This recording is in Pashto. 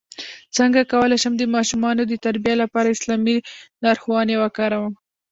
څنګه کولی شم د ماشومانو د تربیې لپاره اسلامي لارښوونې وکاروم